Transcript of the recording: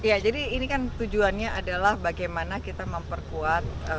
ya jadi ini kan tujuannya adalah bagaimana kita memperkuat